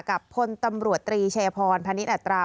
พลตำรวจตรีเชพรพนิษฐอัตรา